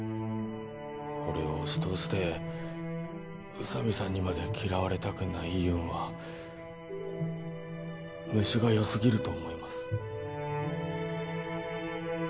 ほれを押し通して宇佐美さんにまで嫌われたくないいうんは虫がよすぎると思います